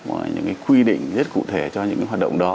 và những quy định rất cụ thể cho những hoạt động đó